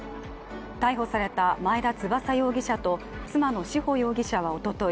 逮捕された前田翼容疑者と妻の志保容疑者はおととい